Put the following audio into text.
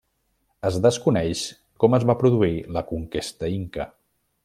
Es desconeix com es va produir la conquesta inca.